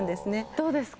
どうですか？